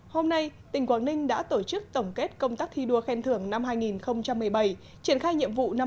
hôm nay tỉnh quảng ninh đã tổ chức tổng kết công tác thi đua khen thưởng năm hai nghìn một mươi bảy triển khai nhiệm vụ năm hai nghìn một mươi chín